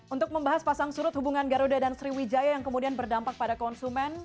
untuk membahas pasang surut hubungan garuda dan sriwijaya yang kemudian berdampak pada konsumen